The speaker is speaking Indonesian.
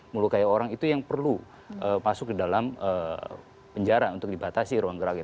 melukai orang itu yang perlu masuk ke dalam penjara untuk dibatasi ruang geraknya